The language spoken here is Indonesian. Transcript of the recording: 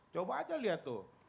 coba aja lihat tuh